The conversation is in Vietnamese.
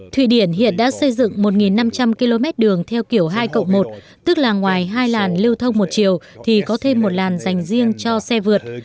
thụy điển hiện đã xây dựng một năm trăm linh km đường theo kiểu hai cộng một tức là ngoài hai làn lưu thông một chiều thì có thêm một làn dành riêng cho xe vượt